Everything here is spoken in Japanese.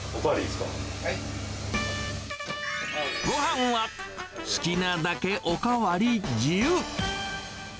ごはんは好きなだけお代わり自由。